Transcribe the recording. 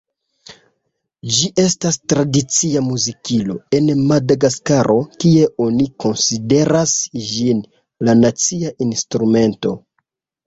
Ĝi estas tradicia muzikilo en Madagaskaro, kie oni konsideras ĝin "la nacia instrumento".